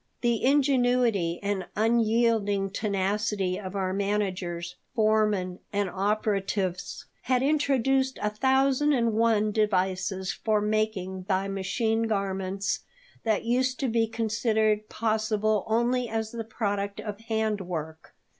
The ingenuity and unyielding tenacity of our managers, foremen, and operatives had introduced a thousand and one devices for making by machine garments that used to be considered possible only as the product of handwork.